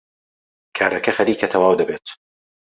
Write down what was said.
کارەکە خەریکە تەواو دەبێت.